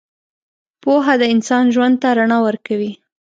پوهه د انسان ژوند ته رڼا ورکوي.